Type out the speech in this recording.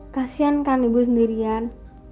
kasian kan ibu sendirian